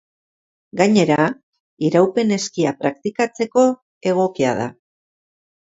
Gainera, iraupen-eskia praktikatzeko egokia da.